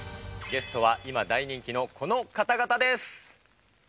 ゲストは今大人気のこの方々です。